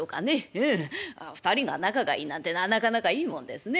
うん２人が仲がいいなんてのはなかなかいいもんですね。